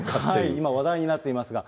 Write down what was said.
今、話題になっていますが、